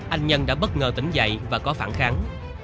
anh nhân đã bất ngờ tỉnh dậy và có phản kháng